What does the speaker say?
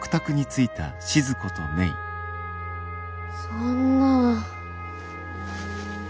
そんなあ。